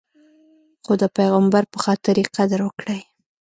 خو د پیغمبر په خاطر یې قدر وکړئ.